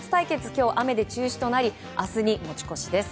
今日、雨で中止となり明日に持ち越しです。